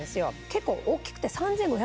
結構大きくて。